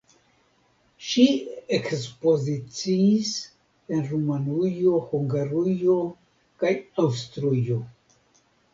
Ŝi ekspoziciis en Rumanujo, Hungarujo kaj Aŭstrujo.